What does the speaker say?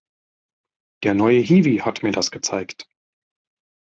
Der neue Hiwi hat mir das gezeigt.